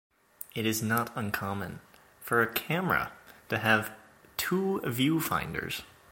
It is not uncommon for a camera to have two viewfinders.